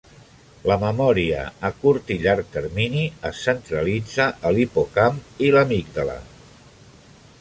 La memòria a curt i llarg termini es centralitza a l'hipocamp i l'amígdala.